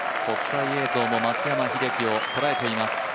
国際映像も松山英樹を捉えています。